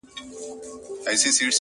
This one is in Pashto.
زما خوبـونو پــه واوښـتـل ـ